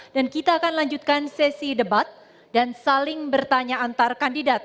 dan kita akan lanjutkan sesi debat dan saling bertanya antar kandidat